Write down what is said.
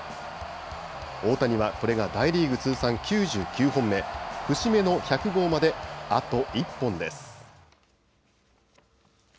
大谷はこれが大リーグ通算９９本目、節目の１００号まであと１本です。